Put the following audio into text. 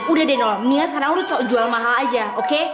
udah deh nol mendingan sarang lo soal jual mahal aja oke